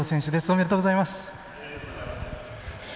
おめでとうございます。